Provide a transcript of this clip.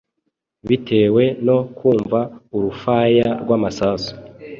Bitewe no kumva urufaya rw’amasasu